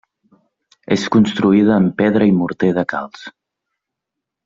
És construïda en pedra i morter de calç.